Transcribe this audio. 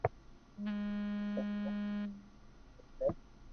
بس امو ني ھي ھڻاو وي لي